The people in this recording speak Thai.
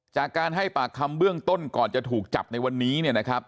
จากการให้ปากคำเบื้องต้นก่อนจะถูกจับในวันนี้เนี่ยนะครับ